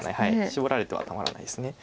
シボられてはたまらないです。